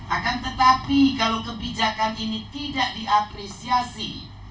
akan tetapi kalau kebijakan ini tidak diapresiasi